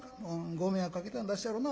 ご迷惑かけたんだっしゃろなほんまに。